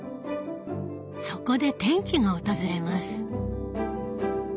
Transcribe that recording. そこで転機が訪れます。